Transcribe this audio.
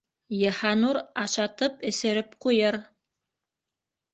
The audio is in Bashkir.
Йыһанур ашатып, эсереп ҡуйыр!